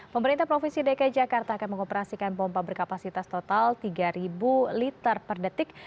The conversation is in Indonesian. pemerintah provinsi dki jakarta akan mengoperasikan pompa berkapasitas total tiga liter per detik